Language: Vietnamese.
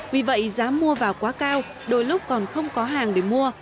vì vậy giá mua vào quá cao đôi lúc còn không có hàng để mua